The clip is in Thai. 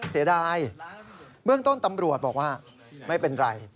เสียดายเบื้องต้นตำรวจบอกว่าไม่เป็นไร